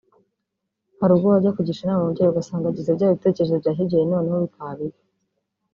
Hari ubwo wajya kugisha inama umubyeyi ugasanga agize bya bitekerezo bya kibyeyi noneho bikaba bibi